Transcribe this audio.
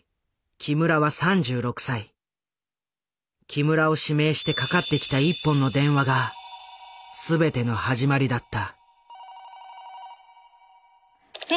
木村を指名してかかってきた１本の電話が全ての始まりだった。